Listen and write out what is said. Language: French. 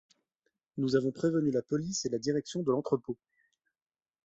Nous avons prévenu la police et la direction de l'entrepôt.